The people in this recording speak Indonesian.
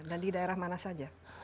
dan di daerah mana saja